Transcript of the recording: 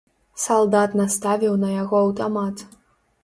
Салдат наставіў на яго аўтамат.